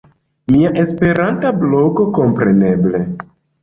Mia esperanta blogo, kompreneble!